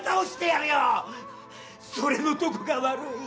それのどこが悪い。